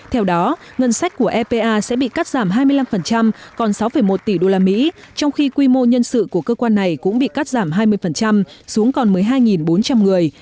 theo đó ngân sách của epa sẽ bị cắt giảm hai mươi năm còn sáu một tỷ usd trong khi quy mô nhân sự của cơ quan này cũng bị cắt giảm hai mươi xuống còn một mươi hai bốn trăm linh người